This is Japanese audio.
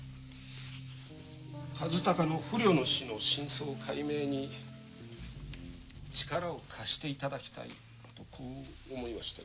和鷹の不慮の死の真相解明に力を貸していただきたいとこう思いましてな。